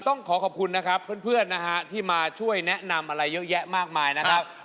ต้องขอขอบคุณนะครับเพื่อนนะฮะที่มาช่วยแนะนำอะไรเยอะแยะมากมายนะครับ